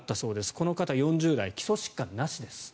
この方は４０代基礎疾患なしです。